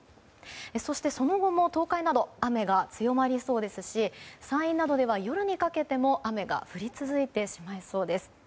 そして、その後も東海など雨が強まりそうですし山陰などでは夜にかけても雨が降り続いてしまいそうです。